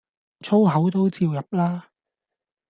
粗口都照入啦